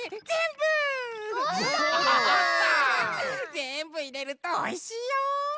ぜんぶいれるとおいしいよ！